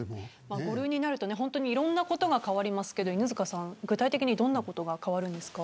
５類になると本当にいろんなことが変わりますけど犬塚さん、具体的にどんなことが変わるんですか。